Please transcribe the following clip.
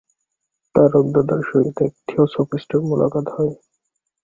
তারকদাদার সহিত এক থিওসফিষ্টের মূলাকাত হয়।